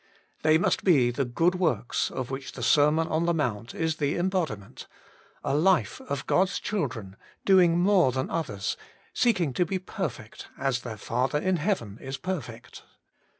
They must be the good works of which the Sermon on the Mount is the embodiment — a life of God's children, doing more than others, seeking to be perfect as their Father in heaven is perfect.